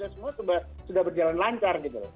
sekarang sudah semua berjalan lancar gitu